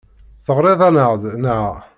Teɣriḍ-aneɣ-d, naɣ?